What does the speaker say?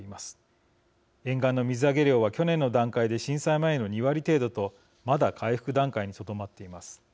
沿岸の水揚げ量は去年の段階で震災前の２割程度とまだ回復段階にとどまっています。